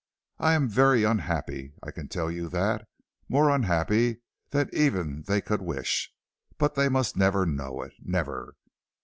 I am very unhappy, I can tell you that, more unhappy than even they could wish, but they must never know it, never.